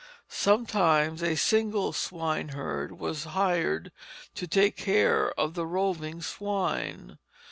Sometimes a single swineherd was hired to take care of the roving swine.